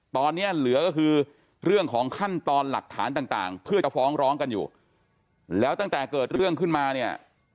ตอนนี้เหลือก็คือเรื่องของขั้นตอนหลักฐานต่างเพื่อจะฟ้องร้องกันอยู่แล้วตั้งแต่เกิดเรื่องขึ้นมาเนี่ย